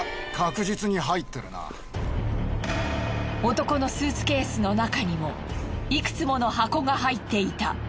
男のスーツケースの中にもいくつもの箱が入っていた。